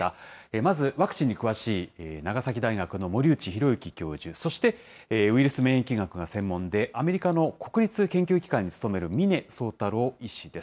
まず、ワクチンに詳しい長崎大学の森内浩幸教授、そしてウイルス免疫学が専門で、アメリカの国立研究機関に勤める峰宗太郎医師です。